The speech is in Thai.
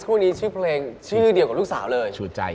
คือเรื่องจากนั้นเลยก่อนไห้